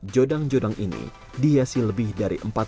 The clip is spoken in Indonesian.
jodang jodang ini dihiasi lebih dari empat ratus kue keranjang